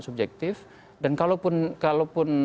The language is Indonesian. subjektif dan kalaupun